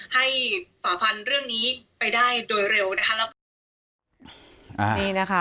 ให้ประพันธ์เรื่องนี้ไปได้โดยเร็วนะคะ